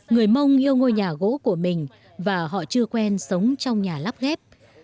người mông yêu ngôi nhà gỗ của mình và họ chưa quen sống trong nhà lắp ghép